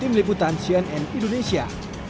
tim liputan sian and indonesia